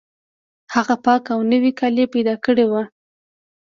هغه پاک او نوي کالي پیدا کړي وو